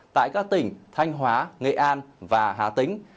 tại các tỉnh thanh hóa nghệ an và hà tĩnh